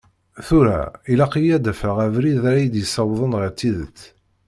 Tura, ilaq-iyi a d-afeɣ abrid ara yi-ssiwḍen ɣer tidet.